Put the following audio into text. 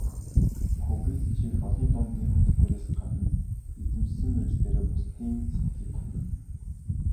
Кубицчек олны дунд нэр хүндтэйгээс гадна эзэмшсэн мэргэжлээрээ бусдын сэтгэлийг татна.